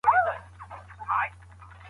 موږ هر وخت يو بل سره مرسته کوو.